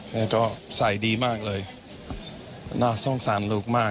หน้าสะทานให้ลูกมาก